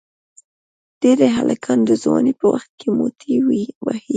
ډېری هلکان د ځوانی په وخت کې موټی وهي.